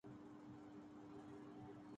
وہ ہاتھی ہے